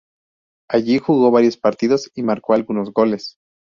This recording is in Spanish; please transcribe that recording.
Allí jugó varios partidos y marcó algunos goles.